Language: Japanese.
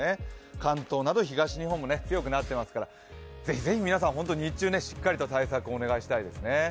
関東など東日本も強くなっていますからぜひ皆さん、日中、しっかりと対策をお願いしたいですね。